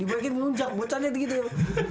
dibaikin ngelunjak buat cadet gitu ya